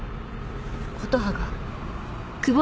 琴葉が？